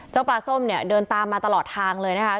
ปลาส้มเนี่ยเดินตามมาตลอดทางเลยนะคะ